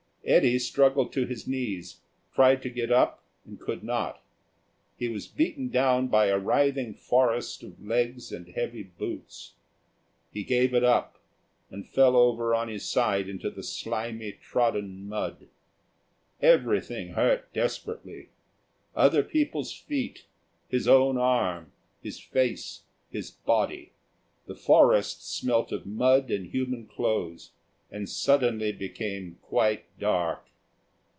Eddy struggled to his knees, tried to get up, and could not. He was beaten down by a writhing forest of legs and heavy boots. He gave it up, and fell over on his side into the slimy, trodden mud. Everything hurt desperately other people's feet, his own arm, his face, his body. The forest smelt of mud and human clothes, and suddenly became quite dark.